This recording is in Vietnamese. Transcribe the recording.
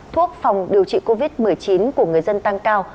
thuốc phòng điều trị covid một mươi chín của người dân tăng cao